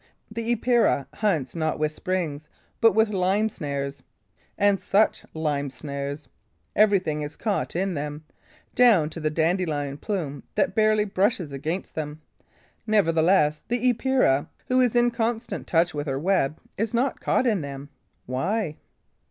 The Epeira hunts not with springs, but with lime snares. And such lime snares! Everything is caught in them, down to the dandelion plume that barely brushes against them. Nevertheless, the Epeira, who is in constant touch with her web, is not caught in them. Why?